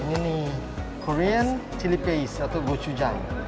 ini korean chili paste atau gochujang